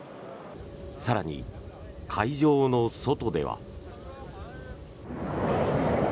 更に、会場の外では。